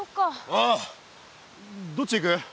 ああどっち行く？